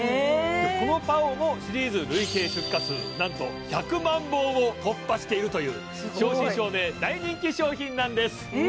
このＰＡＯもシリーズ累計出荷数なんと１００万本を突破しているという正真正銘大人気商品なんですえ